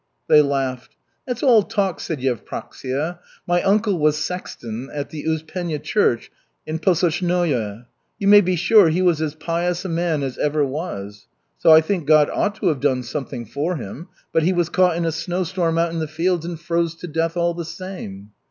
They laughed. "That's all talk," said Yevpraksia. "My uncle was sexton at the Uspenye Church in Pesochnoye. You may be sure he was as pious a man as ever was. So I think God ought to have done something for him. But he was caught in a snowstorm out in the fields and froze to death all the same."